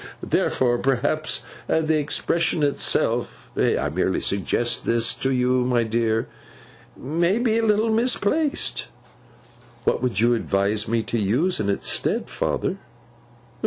Therefore, perhaps the expression itself—I merely suggest this to you, my dear—may be a little misplaced.' 'What would you advise me to use in its stead, father?